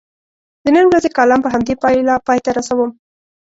د نن ورځې کالم په همدې پایله پای ته رسوم.